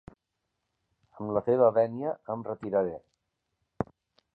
Amb la teva vènia, em retiraré.